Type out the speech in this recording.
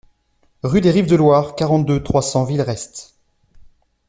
Rue des Rives de Loire, quarante-deux, trois cents Villerest